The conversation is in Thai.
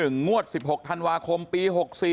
งวด๑๖ธันวาคมปี๖๔